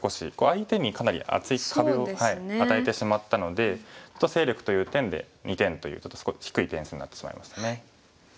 相手にかなり厚い壁を与えてしまったので勢力という点で２点という低い点数になってしまいましたね。